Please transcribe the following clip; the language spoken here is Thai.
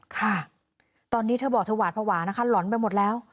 ค่ะตอนนี้เธอบอกเธอหวาดภาวะนะคะหล่อนไปหมดแล้ว